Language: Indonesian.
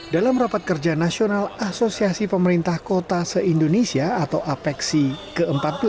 dalam rapat kerja nasional asosiasi pemerintah kota se indonesia atau apexi ke empat belas